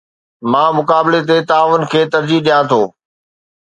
مان مقابلي تي تعاون کي ترجيح ڏيان ٿو